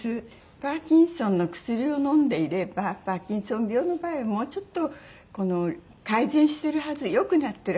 パーキンソンの薬を飲んでいればパーキンソン病の場合もうちょっとこの改善してるはず良くなってるはずだ。